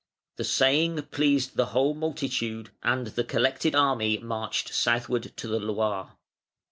The saying pleased the whole multitude, and the collected army inarched southward to the Loire.